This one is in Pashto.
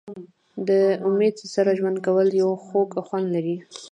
د امید سره ژوند کول یو خوږ خوند لري.